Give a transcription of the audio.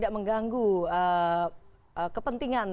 lain pertanyaan adalah kemudian dalam pertemuan pertemuan itu apakah perlu